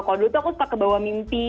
kalau dulu tuh aku suka kebawa mimpi